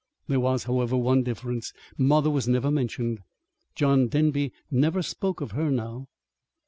There was, however, one difference: mother was never mentioned. John Denby never spoke of her now.